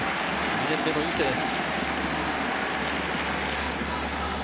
２年目の伊勢です。